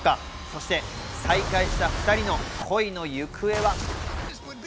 そして再会した２人の恋の行方は？